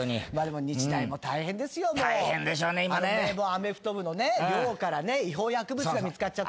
アメフト部の寮から違法薬物が見つかっちゃった。